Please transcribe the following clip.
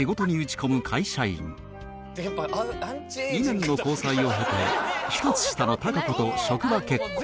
２年の交際を経て１つ下の貴子と職場結婚